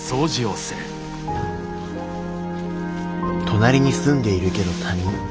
隣に住んでいるけど他人。